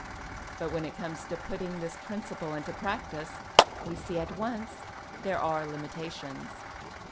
But when it comes to putting this principle into practice we see at once there are limitations.